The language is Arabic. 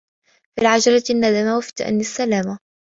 في العجلة الندامة و في التاني السلامة